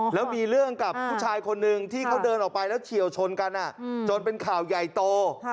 แล้วมีเรื่องกับผู้ชายคนหนึ่งที่เขาเดินออกไปแล้วเฉียวชนกันจนเป็นข่าวใหญ่โต